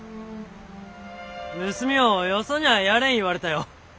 娘ょうよそにゃあやれん言われたよ。